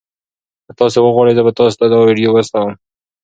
که تاسي وغواړئ زه به تاسي ته دا ویډیو واستوم.